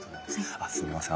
あっすみません